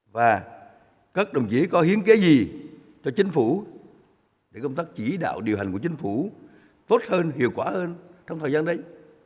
và các đồng chí có hiến kế gì cho chính phủ để công tác chỉ đạo điều hành của chính phủ tốt hơn hiệu quả hơn trong thời gian đấy